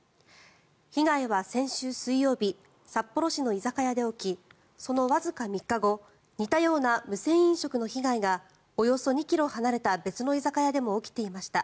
被害は先週水曜日札幌市の居酒屋で起きそのわずか３日後似たような無銭飲食の被害がおよそ２ｋｍ離れた別の居酒屋でも起きていました。